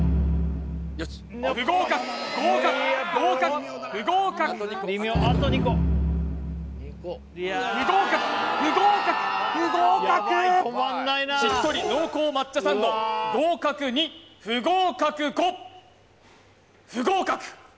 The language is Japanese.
不合格合格合格不合格不合格不合格不合格しっとり濃厚抹茶サンド合格２不合格５不合格